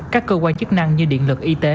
các cơ quan chức năng như điện lực y tế